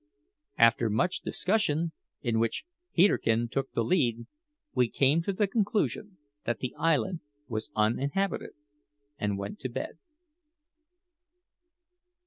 After much discussion, in which Peterkin took the lead, we came to the conclusion that the island was uninhabited, and went to bed.